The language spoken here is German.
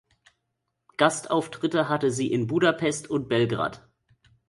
Gastauftritte hatte sie in Budapest und Belgrad.